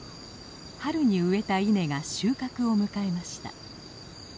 春に植えた稲が収穫を迎えました。